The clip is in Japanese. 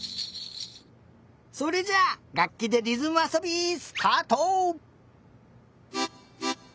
それじゃあがっきでりずむあそびスタート！